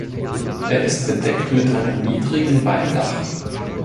Er ist bedeckt mit einem niedrigen Walmdach.